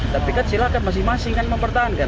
tapi silakan masing masingan mempertahankan